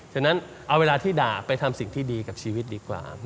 ฉะนั้นเอาเวลาที่ด่าไปทำสิ่งที่ดีกับชีวิตดีกว่า